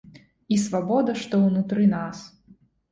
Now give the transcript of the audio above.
І свабода, што ўнутры нас.